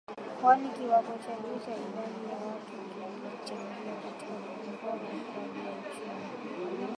Kwani kiwango cha juu cha idadi ya watu kilichangia katika kupungua kwa ukuaji wa uchumi .